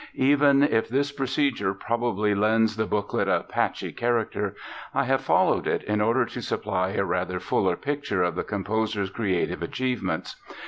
Even if this procedure probably lends the booklet a patchy character, I have followed it in order to supply a rather fuller picture of the composer's creative achievements.